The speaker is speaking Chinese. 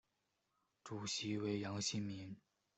主席为杨新民。